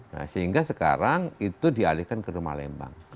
nah sehingga sekarang itu dialihkan ke rumah lembang